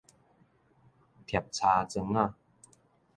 疊柴磚仔